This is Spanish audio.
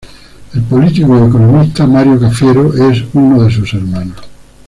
El político y economista Mario Cafiero es uno de sus hermanos.